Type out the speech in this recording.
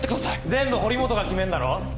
全部堀本が決めんだろ？